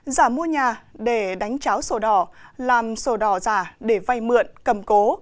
giả mua nhà để đánh cháo sổ đỏ làm sổ đỏ già để vây mượn cầm cố